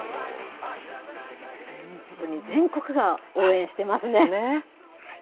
全国が応援してますね。